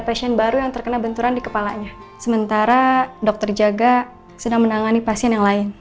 pasien baru yang terkena benturan di kepalanya sementara dokter jaga sedang menangani pasien yang lain